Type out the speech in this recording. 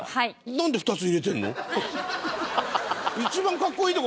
なんで２つ入れてんの？